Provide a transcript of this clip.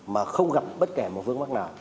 mà không gặp bất kể một vương mắc nào